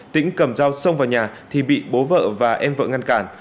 tĩnh cầm dao xông vào nhà thì bị bố vợ và em vợ ngăn cản